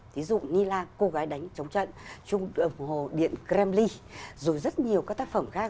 thí dụ nila cô gái đánh chống trận trung hồ điện kremlin rồi rất nhiều các tác phẩm khác